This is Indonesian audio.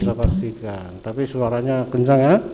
tidak bisa pastikan tapi suaranya kencang ya